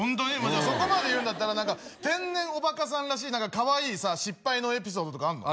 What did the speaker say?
じゃあそこまで言うんだったら何か天然おバカさんらしいかわいいさ失敗のエピソードとかあんの？